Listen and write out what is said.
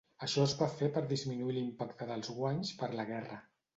Això es va fer per disminuir l'impacte dels guanys per la guerra.